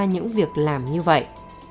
những việc làm như vậy